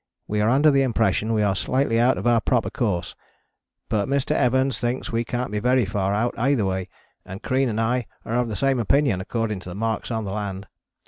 We are under the impression we are slightly out of our proper course, but Mr. Evans thinks we cant be very far out either way, and Crean and I are of the same opinion according to the marks on the land.